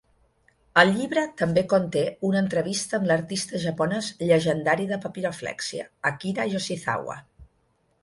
El llibre també conté una entrevista amb l'artista japonès llegendari de papiroflèxia, Akira Yoshizawa.